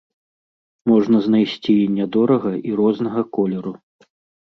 Можна знайсці і не дорага, і рознага колеру.